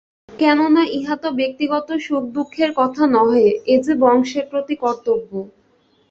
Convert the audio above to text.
কেননা ইহা তো ব্যক্তিগত সুখদুঃখের কথা নহে, এ যে বংশের প্রতি কর্তব্য।